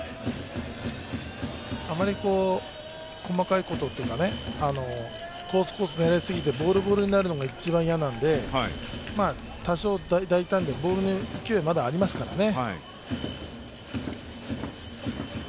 あんまり細かいことというか、コースを狙いすぎてボール、ボールになるのが一番嫌なので、多少大胆に、ボールの勢いはまだありますからね。